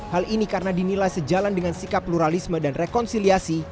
hal ini karena dinilai sejalan dengan sikap pluralisme dan rekonsiliasi